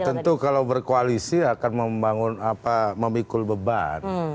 tentu kalau berkoalisi akan memikul beban